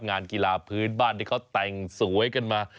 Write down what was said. งานกีฬาพื้นบ้านที่เขาแต่งสวยกันมา